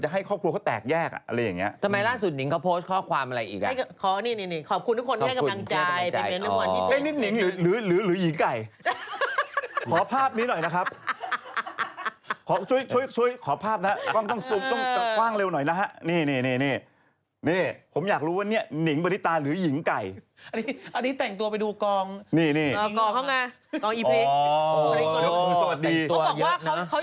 อย่าไปใส่จาจักรหนิงมันจริงอีก